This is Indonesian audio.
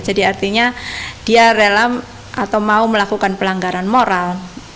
jadi artinya dia rela atau mau melakukan pelanggaran moral